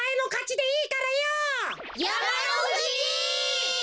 やまのふじ！